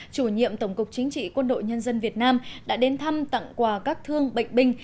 chủ nhiệm tổng cục chính trị quân đội nhân dân việt nam đã đến thăm tặng quà các thương bệnh binh